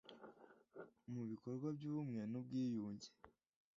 mu bikorwa by’ubumwe n’ubwiyunge